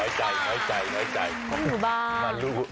น้อยใจ